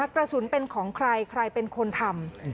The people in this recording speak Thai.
กระสุนเป็นของใครใครเป็นคนทำ